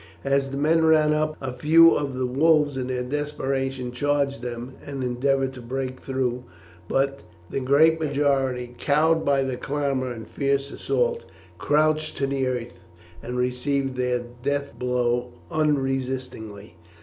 As the men ran up, a few of the wolves in their desperation charged them and endeavoured to break through, but the great majority, cowed by the clamour and fierce assault, crouched to the earth and received their death blow unresistingly.